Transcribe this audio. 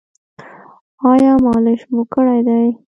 ایا مالش مو کړی دی؟